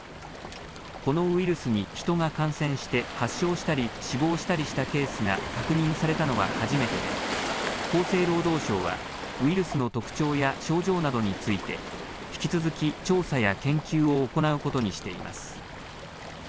このウイルスに人が感染して発症したり、死亡したりしたケースが確認されたのは初めてで、厚生労働省は、ウイルスの特徴や症状などについて、引き続き調査や研究を行うことにしています。